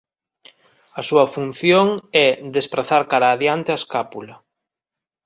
A súa función é desprazar cara adiante a escápula.